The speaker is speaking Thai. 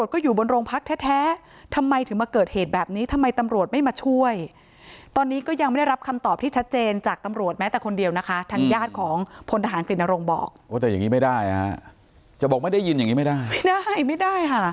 คนเดียวนะคะทางญาติของพลทหารกฤตนโรงบอกว่าแต่อย่างงี้ไม่ได้อ่ะจะบอกไม่ได้ยินอย่างงี้ไม่ได้ไม่ได้ไม่ได้ค่ะ